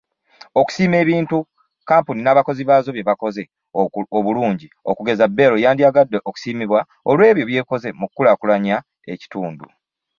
Okusiima ebintu kampuni n’abakozi baazo byebakoze obulungi okugeza BEL yandiyagadde okusiimibwa olw’ebyo byekoze mu kukulaakulanya ekitundu.